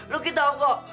lu ki tahu kok